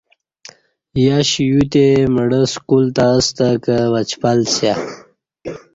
یشیوتہ مڑہ سکول تہ استہ کہ وچپل سیہ